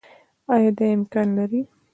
آيا دا امکان لري